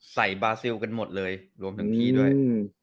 บาซิลกันหมดเลยรวมถึงที่ด้วย